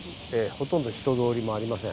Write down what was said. ほとんど人通りもありません。